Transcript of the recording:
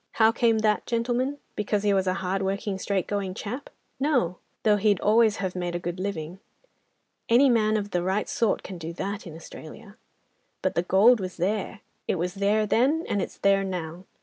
How came that, gentlemen? Because he was a hardworking straightgoing chap? No! that wouldn't have done it, though he'd always have made a good living—any man of the right sort can do that in Australia. But the gold was there! It was there then, and it's there now.